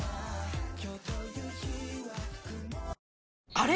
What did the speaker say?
あれ？